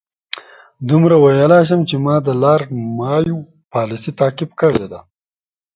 دومره ویلای شم چې ما د لارډ مایو پالیسي تعقیب کړې ده.